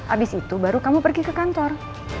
abis itu baru kamu pergi ke kantor